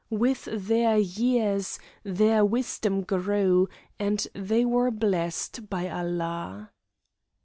With their years, their wisdom grew, and they were blessed by Allah.